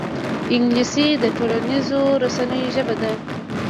انګلیسي د ټولنیزو رسنیو ژبه ده